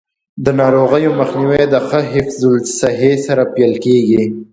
د ناروغیو مخنیوی د ښه حفظ الصحې سره پیل کیږي.